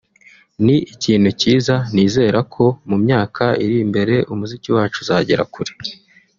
ni ikintu cyiza nizera ko mu myaka iri imbere umuziki wacu uzagera kure